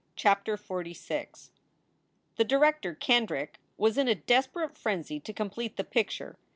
CHAPTER XLVI THE director, Kendrick, was in a desperate frenzy to com plete the picture.